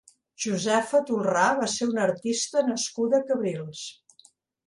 Josefa Tolrà va ser una artista nascuda a Cabrils.